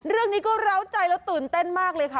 เรื่องนี้ก็ร้าวใจแล้วตื่นเต้นมากเลยค่ะ